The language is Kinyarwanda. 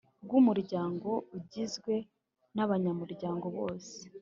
Rw umuryango igizwe n abanyamuryango bose